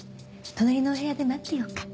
隣のお部屋で待ってようか。